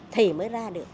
thì mới ra được